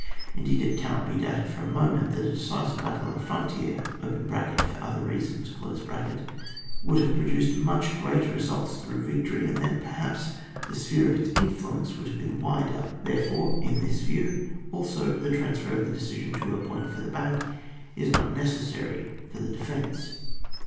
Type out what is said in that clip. Indeed, it cannot be doubted for a moment that a decisive battle on the frontier (for other reasons) would have produced much greater re » suits through victory, and then, perhaps, the sphere of its influence would have been wider. Therefore, in this view, also, the transfer of the decision to a point further back is not necessary for the de fence.